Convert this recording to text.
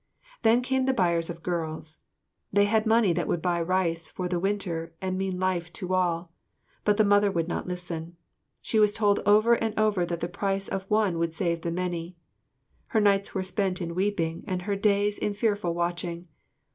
Then came the buyers of girls. They had money that would buy rice for the winter and mean life to all. But the mother would not listen. She was told over and over that the price of one would save the many. Her nights were spent in weeping and her days in fearful watching.